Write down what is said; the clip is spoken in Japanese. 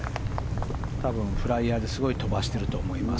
多分フライヤーですごい飛ばしていると思います。